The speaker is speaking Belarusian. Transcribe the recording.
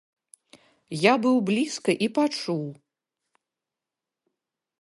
Я быў блізка і пачуў.